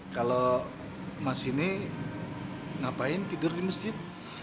kalau mas ini ngapain tidur di masjid